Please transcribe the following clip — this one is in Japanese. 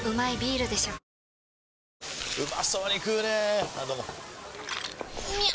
うまそうに食うねぇあどうもみゃう！！